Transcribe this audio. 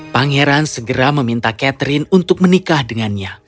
pangeran segera meminta catherine untuk menikah dengannya